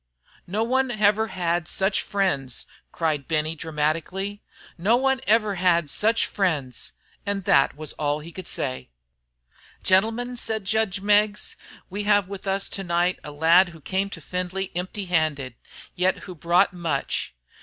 "No one ever had such friends!" cried Benny, dramatically. "No one ever had such friends!" And that was all he could say. "Gentlemen," said judge Meggs, "we have with us to night a lad who came to Findlay empty handed, yet who brought much.